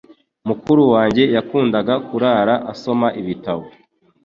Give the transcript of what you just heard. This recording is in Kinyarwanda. Mukuru wanjye yakundaga kurara asoma ibitabo